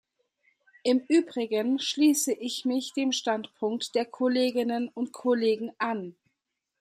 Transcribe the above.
Im Übrigen schließe ich mich dem Standpunkt der Kolleginnen und Kollegen an.